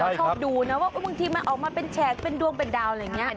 เราชอบดูนะว่ามันบางทีออกมาเป็นแชกเป็นดวงเป็นดาวน์อย่างนี้